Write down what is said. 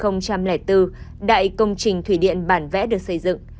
năm hai nghìn bốn đại công trình thủy điện bản vẽ được xây dựng